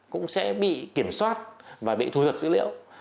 cũng sẽ bị kiểm soát và bị thu dập dữ liệu